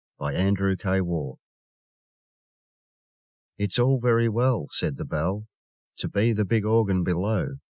'BELL UPON ORGAN. It's all very well, Said the Bell, To be the big Organ below!